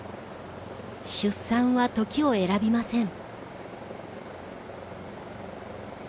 出産は時を選びません。